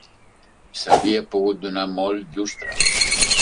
S'hauria pogut donar molt llustre